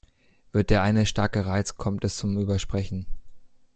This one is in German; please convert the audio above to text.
Wird der eine stark gereizt, kommt es zum Übersprechen.